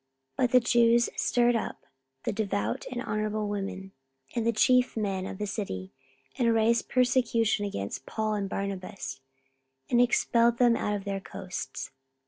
44:013:050 But the Jews stirred up the devout and honourable women, and the chief men of the city, and raised persecution against Paul and Barnabas, and expelled them out of their coasts.